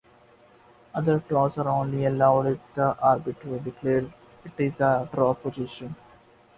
Other draws are only allowed if the arbiter declares it is a drawn position.